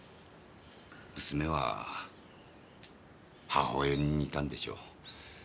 娘は母親に似たんでしょう。